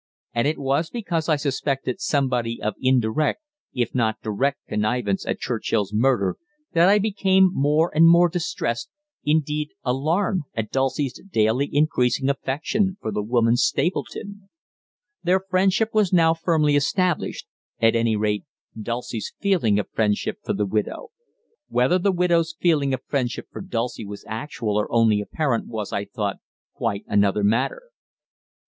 And it was because I suspected somebody of indirect, if not direct, connivance at Churchill's murder, that I became more and more distressed, indeed alarmed, at Dulcie's daily increasing affection for the woman Stapleton. Their friendship was now firmly established at any rate, Dulcie's feeling of friendship for the widow. Whether the widow's feeling of friendship for Dulcie was actual or only apparent was, I thought, quite another matter.